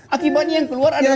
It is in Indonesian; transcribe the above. akibatnya yang keluar adalah